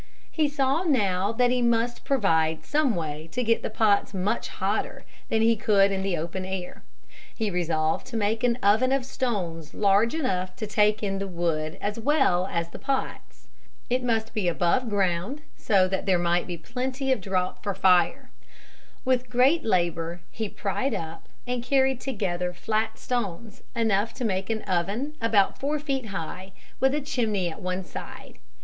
He saw that he must provide some way to get the pots much hotter than he could in the open air. He resolved to make an oven of stones large enough to take in the wood as well as the pots. It must be above ground so that there might be plenty of draught for the fire. With great labor, he pried up and carried together flat stones enough to make an oven about four feet high with a chimney at one side.